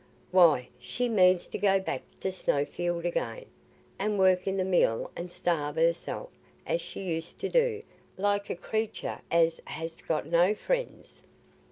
"Why, she means to go back to Snowfield again, and work i' the mill, and starve herself, as she used to do, like a creatur as has got no friends."